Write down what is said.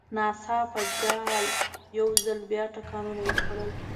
ناڅاپه جال یو ځل بیا ټکانونه وخوړل.